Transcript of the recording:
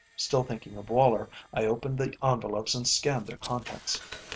Still thinking of Woller, I opened the envelopes and scanned their contents.